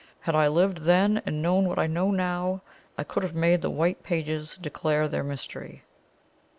Had I lived then and known what I know now, I could have made the white pages declare their mystery."